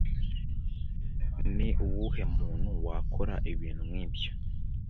Ni uwuhe muntu wakora ibintu nkibyo